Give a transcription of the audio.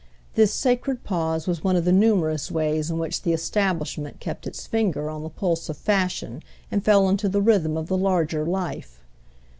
This sacred pause was one of the numerous ways in which the establishment kept its finger on the pulse of fashion and fell into the rhythm of the larger life.